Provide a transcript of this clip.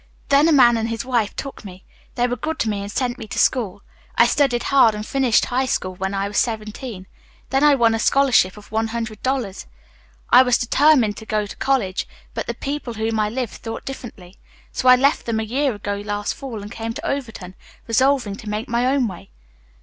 "Then a man and his wife took me. They were good to me and sent me to school. I studied hard and finished high school when I was seventeen. Then I won a scholarship of one hundred dollars a year. I was determined to go to college, but the people with whom I lived thought differently. So I left them a year ago last fall and came to Overton, resolving to make my own way.